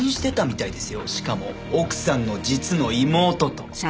しかも奥さんの実の妹と。